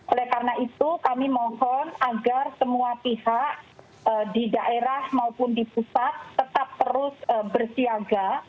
oleh karena itu kami mohon agar semua pihak di daerah maupun di pusat tetap terus bersiaga